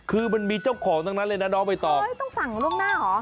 คือมันมีเจ้าของทั้งนั้นเลยนะน้องใบตองเอ้ยต้องสั่งล่วงหน้าเหรอ